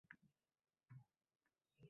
So’z qudrati cheksiz bo‘ladi.